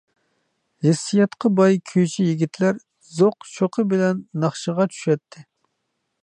ھېسسىياتقا باي كۈيچى يىگىتلەر زوق-شوقى بىلەن ناخشىغا چۈشەتتى.